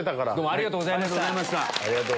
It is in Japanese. ありがとうございます。